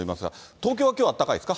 東京はきょうはあったかいですか？